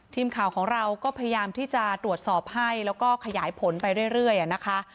ทีมข่าวของเราก็พยายามที่จะตรวจสอบให้แล้วก็ขยายผลไปเรื่อยนะคะ